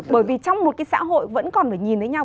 bởi vì trong một cái xã hội vẫn còn phải nhìn thấy nhau